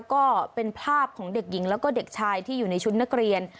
ก็เป็นภาพของเด็กหญิงแล้วก็เด็กชายที่อยู่ในชุดนักเรียน